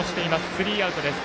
スリーアウトです。